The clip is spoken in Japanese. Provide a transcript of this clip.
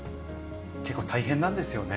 結構、大変なんですよね。